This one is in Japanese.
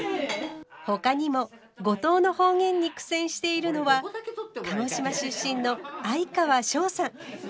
ほかにも五島の方言に苦戦しているのは鹿児島出身の哀川翔さん。